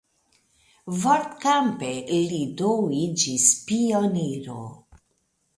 Vortkampe li do iĝis pioniro.